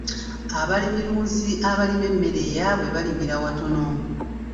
Abalimirunzi abalima emmere eyaabwe balimira watono.